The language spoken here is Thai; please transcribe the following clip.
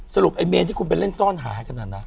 สรุปไอ้เมนที่คุณไปเล่นซ่อนหายขนาดนั้นนะ